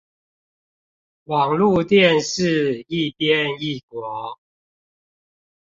網路電視一邊一國